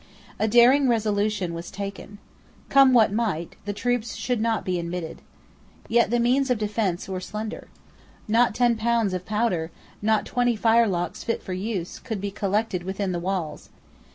A daring resolution was taken. Come what might, the troops should not be admitted. Yet the means of defence were slender. Not ten pounds of powder, not twenty firelocks fit for use, could be collected within the walls.